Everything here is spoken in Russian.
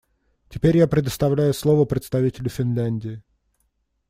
Теперь я предоставляю слово представителю Финляндии.